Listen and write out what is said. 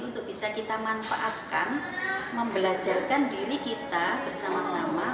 untuk bisa kita manfaatkan membelajarkan diri kita bersama sama